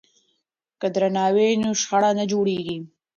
که درناوی وي نو شخړه نه جوړیږي.